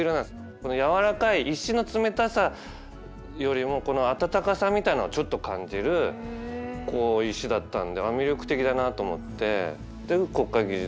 このやわらかい石の冷たさよりもこの暖かさみたいなのをちょっと感じる石だったんで魅力的だなと思ってで国会議事堂いいなと思って。